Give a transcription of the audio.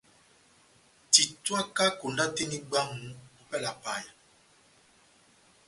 Titwaka konda tɛ́h eni bwámu opɛlɛ ya paya.